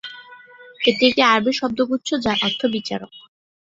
এটি একটি আরবি শব্দগুচ্ছ যার অর্থ বিচারক।